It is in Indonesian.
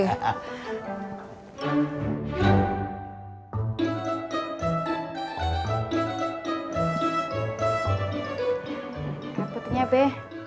air putihnya be